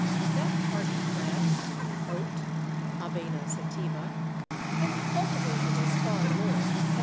_) That hardy plant, the Oat (Avena sativa) can be cultivated as far north as 69.